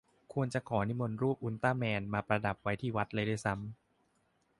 ควรจะขอนิมนต์รูปอุลตร้าแมนมาประดับไว้ที่วัดเลยด้วยซ้ำ